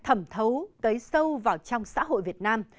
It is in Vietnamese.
thẩm thấu cấy sâu vào trong xã hội việt nam